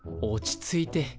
落ち着いて。